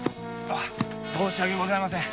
申し訳ございません。